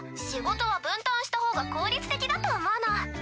仕事は分担した方が効率的だと思うの。